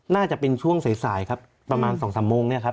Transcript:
น่าจะเป็นช่วงสายสายครับประมาณ๒๓โมงเนี่ยครับ